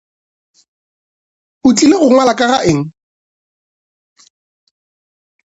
O tlile go ngwala ka ga eng?